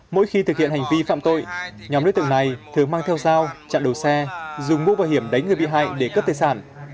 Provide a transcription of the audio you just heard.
mỗi khi thực hiện hành vi phạm tội nhóm đối tượng này thường mang theo dao chặn đầu xe dùng mũ bảo hiểm đánh người bị hại để cướp tài sản